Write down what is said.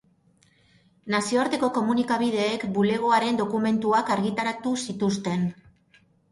Nazioarteko komunikabideek bulegoaren dokumentuak argitaratu zituzten.